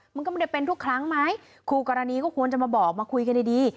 มันก็ไม่ได้เป็นทุกครั้งไหมคู่กรณีก็ควรจะมาบอกมาคุยกันดีดี